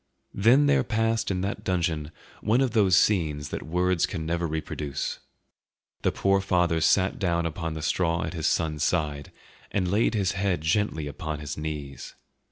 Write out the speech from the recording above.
Then there passed in that dungeon one of those scenes that words can never reproduce. The poor father sat down on the straw at his son's side and laid his head gently upon his knees.